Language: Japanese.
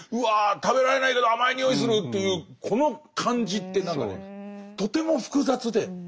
食べられないけど甘い匂いするというこの感じって何かねとても複雑で。